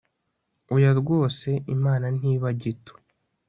oya rwose, imana ntiba gito